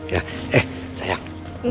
yah eh sayang